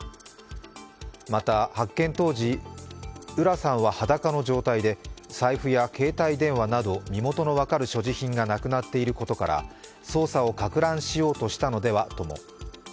また発見当時、浦さんは裸の状態で財布や携帯電話など身元の分かる所持品がなくなっていることから捜査をかく乱しようとしたのではとも。